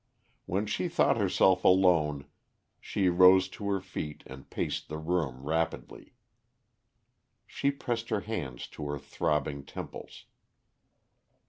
When she thought herself alone she rose to her feet and paced the room rapidly. She pressed her hands to her throbbing temples.